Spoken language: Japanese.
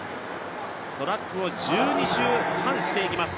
トラックを１２周半していきます。